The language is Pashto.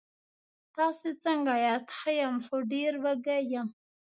تاسې څنګه یاست؟ ښه یم، خو ډېر وږی یم.